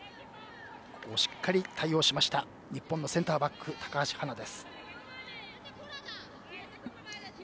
ここをしっかり対応しました日本のセンターバック、高橋はな。